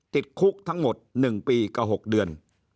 ติดคุกทั้งหมด๑ปีกับ๖เดือน